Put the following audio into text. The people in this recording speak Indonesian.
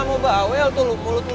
sam lo tuh gak boleh kayak gitu